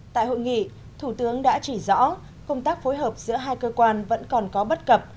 tại hội nghị thủ tướng đã chỉ rõ công tác phối hợp giữa hai cơ quan vẫn còn có bất cập